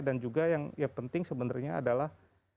dan juga yang penting sebenarnya adalah